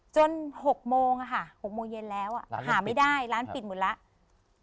๖โมงค่ะ๖โมงเย็นแล้วหาไม่ได้ร้านปิดหมดแล้ว